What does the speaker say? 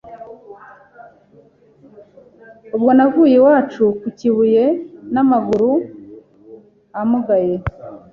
Ubwo navuye iwacu ku kibuye n’amaguru amugaye